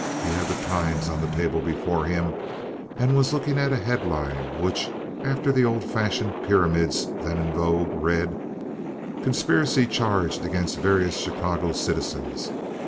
He had the Times on the table before him, and was looking at a headline which, after the old fashioned pyramids then in vogue, read: "Conspiracy charged against various Chicago citizens.